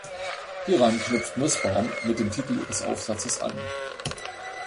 Hieran knüpft Nussbaum mit dem Titel ihres Aufsatzes an.